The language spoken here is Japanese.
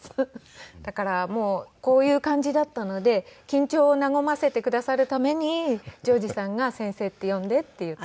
だからもうこういう感じだったので緊張を和ませてくださるために譲二さんが「先生って呼んで」って言って。